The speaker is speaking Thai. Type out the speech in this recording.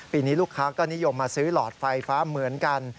ปีนี้ลูกค้าก็นิยมมาซื้อหลอดไฟฟ้าเหมือนกัน